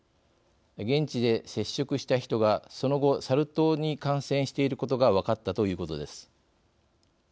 現地で接触した人がその後、サル痘に感染していることが分かったということです。